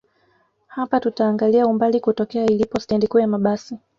Hapa tutaangalia umbali kutokea ilipo stendi kuu ya mabasi